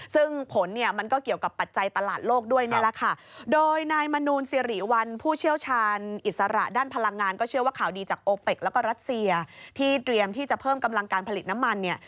ซึ่งผลเนี่ยมันก็เกี่ยวกับปัจจัยตลาดโลกด้วยนี่แหละค่ะโดยนายมนูลสิริวัลผู้เชี่ยวชาญอิสระด้านพลังงานก็เชื่อว่าข่าวดีจากโอเป็กแล้วก็รัสเซียที่เตรียมที่จะเพิ่มกำลังการผลิตน้ำมันเนี่ย